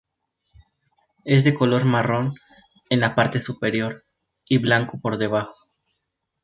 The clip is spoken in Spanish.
Es de color marrón en la parte superior y blanco por debajo.